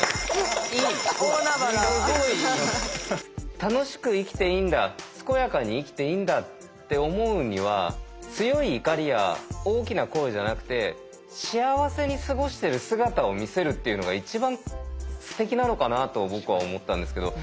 楽しく生きていいんだ健やかに生きていいんだって思うには強い怒りや大きな声じゃなくて幸せに過ごしてる姿を見せるっていうのが一番すてきなのかなと僕は思ったんですけど。